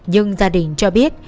nhưng gia đình cho biết